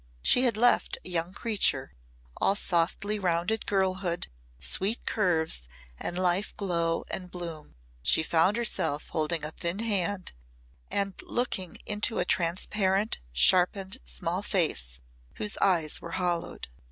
She had left a young creature all softly rounded girlhood, sweet curves and life glow and bloom. She found herself holding a thin hand and looking into a transparent, sharpened small face whose eyes were hollowed.